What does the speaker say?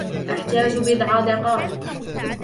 أحتاج بضع دقائق.